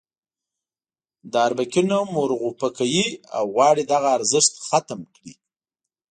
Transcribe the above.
د اربکي نوم ورغوپه کوي او غواړي دغه ارزښت ختم کړي.